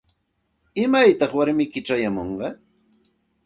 ¿Imaytaq warmiyki chayamunqa?